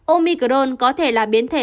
omicron có thể là biến thể